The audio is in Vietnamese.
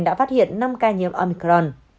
đã phát hiện năm ca nhiễm omicron